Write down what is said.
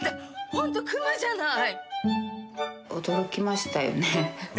ホント熊じゃない。